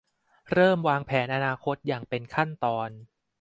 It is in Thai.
เริ่มวางแผนอนาคตอย่างเป็นขั้นตอน